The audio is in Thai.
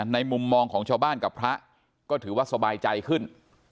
มุมมองของชาวบ้านกับพระก็ถือว่าสบายใจขึ้น